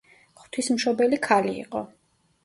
ღვთის მშობელი ქალი იყო.